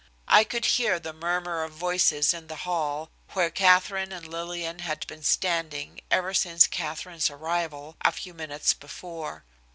I could hear the murmur of voices in the hall, where Katherine and Lillian had been standing ever since Katherine's arrival, a few minutes before.